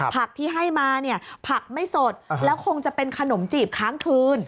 ผักที่ให้มาเนี่ยผักไม่สดแล้วคงจะเป็นขนมจีบค้างคืน